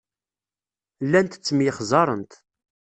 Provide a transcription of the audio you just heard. Llant ttemyexzarent.